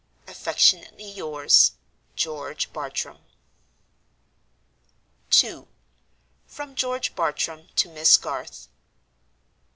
"Affectionately yours, "GEORGE BARTRAM." II. From George Bartram to Miss Garth.